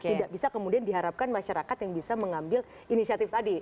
tidak bisa kemudian diharapkan masyarakat yang bisa mengambil inisiatif tadi